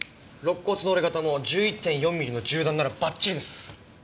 肋骨の折れ方も１１．４ミリの銃弾ならバッチリです。